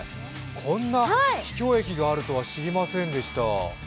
こんな秘境駅があるとは知りませんでした。